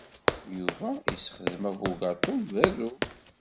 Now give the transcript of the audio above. Yuba yessexdem abugaṭu n uberru.